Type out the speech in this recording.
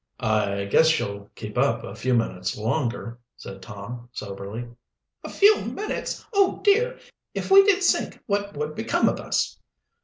"I guess she'll keep up a few minutes longer," said Tom soberly. "A few minutes! Oh, dear! if we did sink what would become of us?"